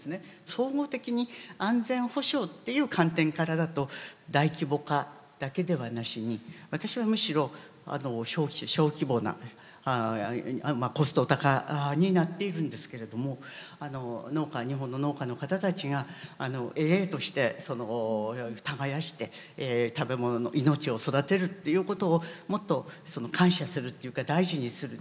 総合的に安全保障という観点からだと大規模化だけではなしに私はむしろ小規模なまあコスト高になっているんですけれどもあの農家日本の農家の方たちが営々として耕して食べ物の命を育てるということをもっと感謝するというか大事にする。